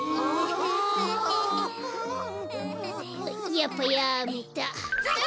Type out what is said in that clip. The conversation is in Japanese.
やっぱやめた。